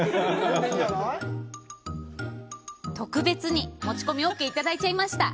特別に持ち込みＯＫ、いただいちゃいました！